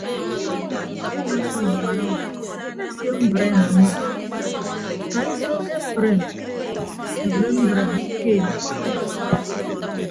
Ọnyʌñ ọsọñ mkparawa mmesio mbreem ọmmọ ekaiso ke mbreem ebre mbreem kemem.